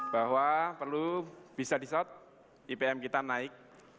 bahwa perlu bisa disot ipm kita naik